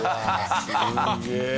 すげえな。